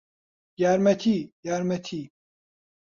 یارمەتی! یارمەتی!